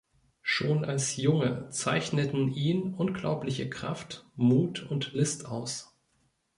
Schon als Junge zeichneten ihn unglaubliche Kraft, Mut und List aus.